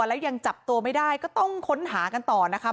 แล้วยังจับตัวไม่ได้ก็ต้องค้นหากันต่อนะคะ